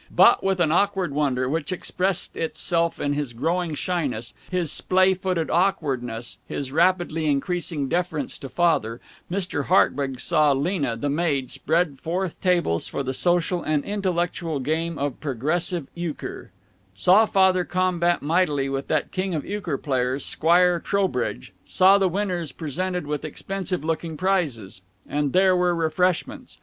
But with an awkward wonder which expressed itself in his growing shyness, his splay footed awkwardness, his rapidly increasing deference to Father, Mr. Hartwig saw Lena, the maid, spread forth tables for the social and intellectual game of progressive euchre; saw Father combat mightily with that king of euchre players, Squire Trowbridge; saw the winners presented with expensive looking prizes. And there were refreshments.